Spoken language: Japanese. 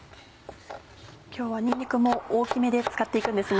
今日はにんにくも大きめで使って行くんですね。